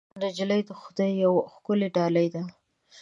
نجلۍ د خدای یوه ښکلی ډالۍ ده.